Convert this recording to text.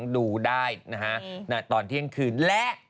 ดูได้นะฮะตอนเที่ยงคืนและ